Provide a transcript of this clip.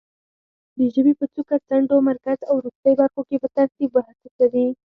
د ژبې په څوکه، څنډو، مرکز او وروستۍ برخو کې په ترتیب وڅڅوي.